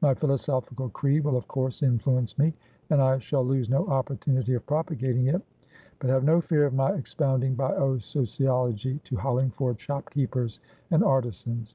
My philosophical creed will of course influence me, and I shall lose no opportunity of propagating it: but have no fear of my expounding bio sociology to Hollingford shopkeepers and artisans."